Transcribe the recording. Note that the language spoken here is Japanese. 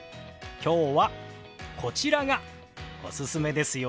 今日はこちらがおすすめですよ。